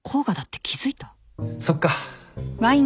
そっか。